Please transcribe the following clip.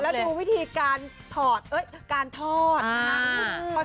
แล้วดูวิธีการทอดการถอด